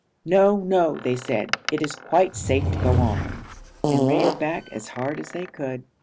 'No, no,' they said, 'it is quite safe to go on,' and ran back as hard as they could.